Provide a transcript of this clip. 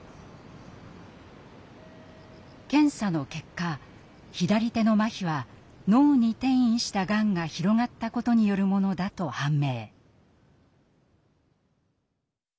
検査の結果左手のまひは脳に転移したがんが広がったことによるものだと判明。